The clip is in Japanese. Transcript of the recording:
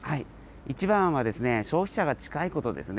一番は消費者が近いことですね。